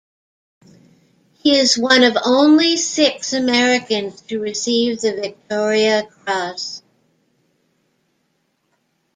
He is one of only six Americans to receive the Victoria Cross.